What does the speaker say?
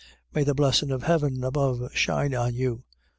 u May the blessin' of Heaven above shine on you